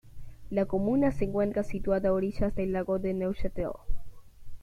La comuna se encuentra situada a orillas del lago de Neuchâtel.